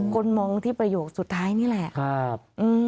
คนมองที่ประโยคสุดท้ายนี่แหละ